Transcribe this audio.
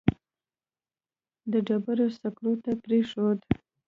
د ډبرو سکرو ته پرېښود.